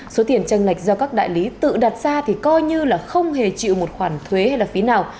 số tiền tranh lệch do các đại lý tự đặt ra thì coi như là không hề chịu một khoản thuế hay là phí nào